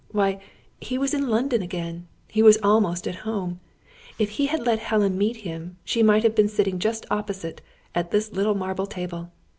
Why, he was in London again! He was almost at home! If he had let Helen meet him, she might have been sitting just opposite, at this little marble table!